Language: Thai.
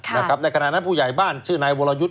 ในขณะนั้นผู้ใหญ่บ้านชื่อนายวรยุทธ์